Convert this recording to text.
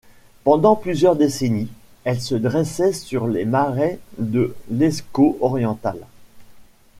Pendant plusieurs décennies elle se dressait sur les marais de l'Escaut oriental.